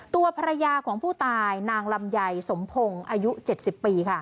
ตัวภรรยาของผู้ตายนางลำไยสมพงศ์อายุ๗๐ปีค่ะ